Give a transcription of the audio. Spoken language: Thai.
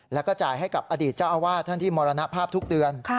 แล้วก็จ่ายให้กับอดีตเจ้าอาวาสท่านที่มรณภาพทุกเดือน